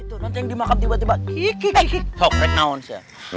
itu ronteng dimakam tiba tiba kiki kiki kiki